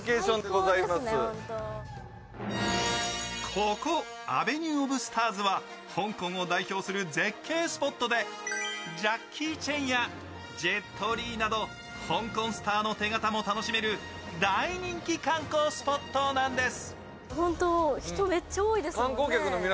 ここアベニュー・オブ・スターズは香港を代表する絶景スポットでジャッキー・チェンやジェット・リーなど香港スターの手形も楽しめる大人気観光スポットなんです。